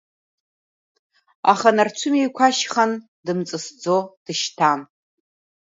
Аха нарцәымҩа иқәашьхан, дымҵысӡо дышьҭан.